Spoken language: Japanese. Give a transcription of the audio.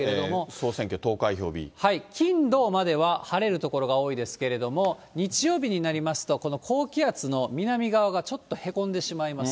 総選挙、金、土までは晴れる所が多いんですけれども、日曜日になりますと、この高気圧の南側がちょっとへこんでしまいます。